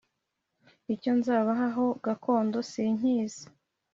icyo nzabaha ho gakondo sinkizi